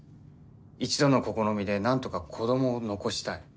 一度の試みでなんとか子どもを残したい。